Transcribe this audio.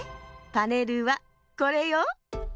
パネルはこれよ。